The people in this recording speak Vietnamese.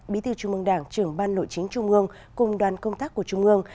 bí thư trung mương đảng trưởng ban nội chính trung ương cùng đoàn công tác của trung ương